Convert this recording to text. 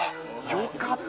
よかった。